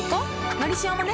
「のりしお」もね